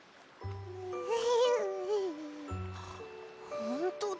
ほんとだ。